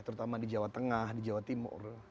terutama di jawa tengah di jawa timur